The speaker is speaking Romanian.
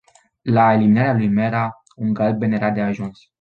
La eliminarea lui Mera, un galben era de ajuns.